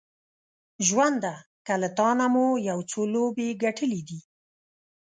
ژونده که له تانه مو یو څو لوبې ګټلې دي